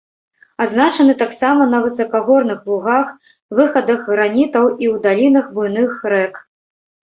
Адзначаны таксама на высакагорных лугах, выхадах гранітаў і ў далінах буйных рэк.